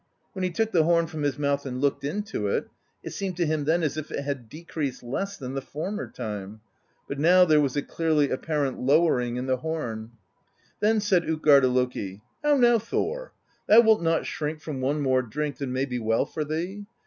When he took the horn from his mouth and looked into it, it seemed to him then as if it had decreased less than the former time; but now there was a clearly apparent lowering in the horn. Then said Utgarda Loki :' How now, Thor ? Thou wilt not shrink from one more drink than may be well for thee?